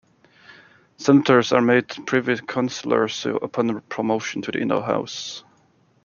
Senators are made Privy Counsellors upon promotion to the Inner House.